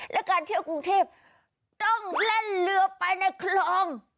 และการเที่ยวกรุงเทพต้องแล่นเรือไปในคลอง